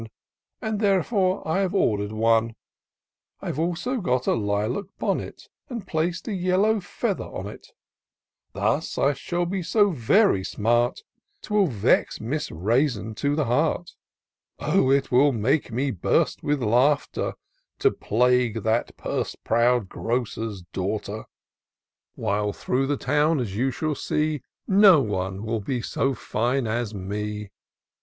And therefore I have order'd one : I've also got a lilac bonnet. And plac'd a yellow feather on it : Thus I shall be so very smart, 'Twill vex Miss Raisin to the heart ! IN SEARCH OF THE PICTURESQUE. 115 Oh! it will make me burst vdth laughter^ To plague the purse proud Grocer's daughter; While through the towui as you shall see, No one will be so fine as me.